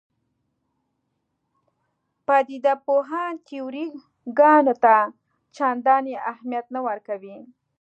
پدیده پوهان تیوري ګانو ته چندانې اهمیت نه ورکوي.